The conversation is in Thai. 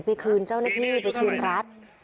ไปคืนเจ้าหน้าที่ไปคืนรัฐ